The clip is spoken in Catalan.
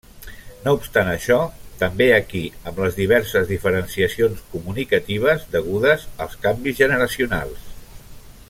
No obstant això, també aquí, amb les diverses diferenciacions comunicatives degudes als canvis generacionals.